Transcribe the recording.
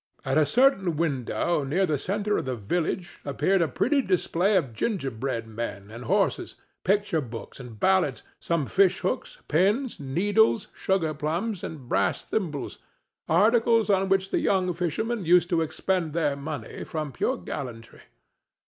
At a certain window near the centre of the village appeared a pretty display of gingerbread men and horses, picture books and ballads, small fish hooks, pins, needles, sugarplums and brass thimbles—articles on which the young fishermen used to expend their money from pure gallantry.